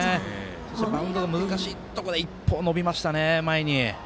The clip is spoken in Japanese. そしてバウンドが難しいところで１歩伸びましたね。